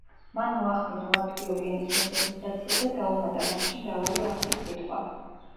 მან მოახდინა ლატვიური ენის მოდერნიზაცია და დაუმატა მასში მრავალი ახალი სიტყვა.